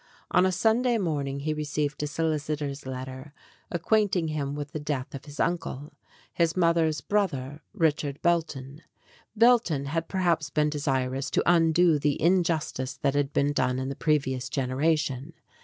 On a Sunday morning he received a solicitor's letter, acquainting him with the death of his uncle, his mother's brother, Richard Belton. Belton had perhaps been desirous to undo the injustice that had been done in the previous generation.